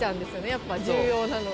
やっぱ重要なのは。